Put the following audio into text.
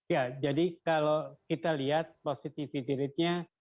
ya jadi kalau kita lihat positivity ratenya